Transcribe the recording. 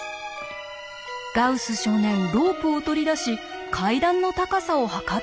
ガウス少年ロープを取り出し階段の高さを測ってみます。